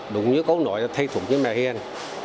đúng như câu nói thầy thuốc như bà hiên